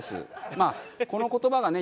まあこの言葉がね